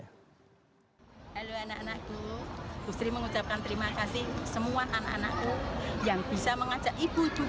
halo anak anakku bu sri mengucapkan terima kasih semua anak anakku yang bisa mengajak ibu juga